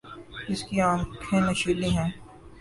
اس کی آنکھیں نشیلی ہیں۔